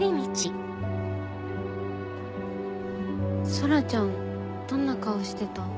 空ちゃんどんな顔してた？